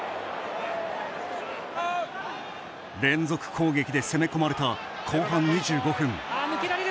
連続攻撃で攻め込まれた後半２５分。